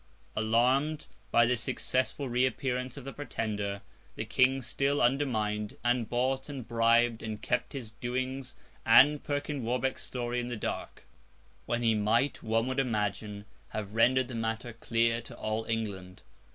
Alarmed by this successful reappearance of the Pretender, the King still undermined, and bought, and bribed, and kept his doings and Perkin Warbeck's story in the dark, when he might, one would imagine, have rendered the matter clear to all England.